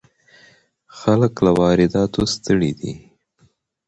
خلک له وارداتو ستړي دي.